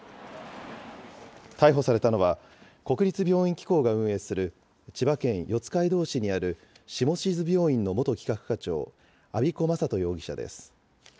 逮捕されたのは、国立病院機構が運営する、千葉県四街道市にある下志津病院の元企画課長、安彦昌人容疑者です。